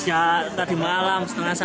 sudah datang tadi malam setengah satu